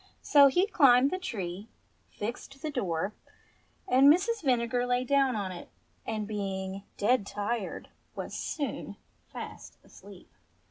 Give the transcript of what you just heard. So he climbed the tree, fixed the door, and Mrs. Vinegar lay down on it, and being dead tired was soon fast asleep.